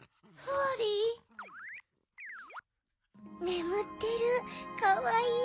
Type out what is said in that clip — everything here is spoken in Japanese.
ねむってるかわいい！